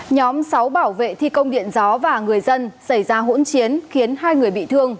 nhóm sáu bảo vệ thi công điện gió và người dân xảy ra hỗn chiến khiến hai người bị thương